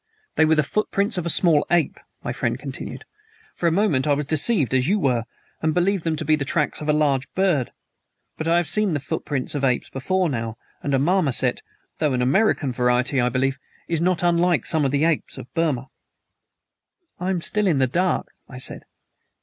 "They were the footprints of a small ape," my friend continued. "For a moment I was deceived as you were, and believed them to be the tracks of a large bird; but I have seen the footprints of apes before now, and a marmoset, though an American variety, I believe, is not unlike some of the apes of Burma." "I am still in the dark," I said.